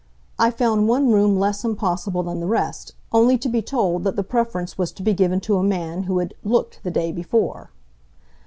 I found one room less impossible than the rest, only to be told that the preference was to be given to a man who had "looked" the day before.